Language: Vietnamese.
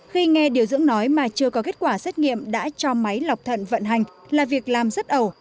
khi nghe điều dưỡng nói mà chưa có kết quả xét nghiệm đã cho máy lọc thận vận hành là việc làm rất ẩu